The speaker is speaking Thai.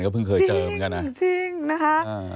ก็เพิ่งเคยเจอเหมือนกันนะฮะจริงนะฮะจริงนะฮะ